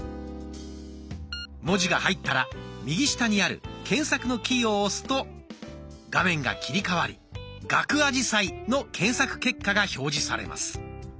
文字が入ったら右下にある検索のキーを押すと画面が切り替わり「ガクアジサイ」の検索結果が表示されます。